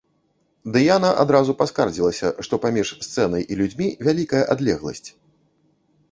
Дыяна адразу паскардзілася, што паміж сцэнай і людзьмі вялікая адлегласць.